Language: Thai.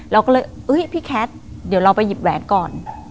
เราก็เลยพี่แคทเดี๋ยวเราไปหยิบแหวนก่อน